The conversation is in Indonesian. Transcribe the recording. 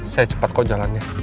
saya cepat kok jalannya